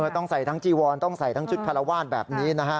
ต้องใส่ทั้งจีวอนต้องใส่ทั้งชุดคารวาสแบบนี้นะฮะ